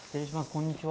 こんにちは。